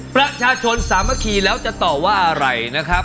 ประชาชนสามัคคีแล้วจะต่อว่าอะไรนะครับ